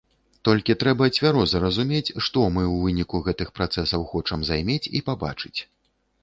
Толькі трэба цвяроза разумець, што мы ў выніку гэтых працэсаў хочам займець і пабачыць.